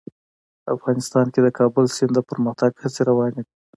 افغانستان کې د کابل سیند د پرمختګ هڅې روانې دي.